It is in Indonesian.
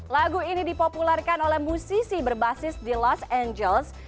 lagu ini dipopulerkan oleh musisi berbasis di los angeles